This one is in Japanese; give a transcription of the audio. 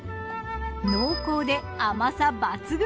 濃厚で甘さ抜群！